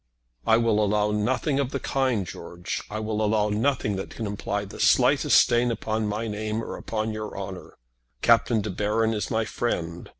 "I will allow nothing of the kind, George. I will allow nothing that can imply the slightest stain upon my name or upon your honour. Captain De Baron is my friend.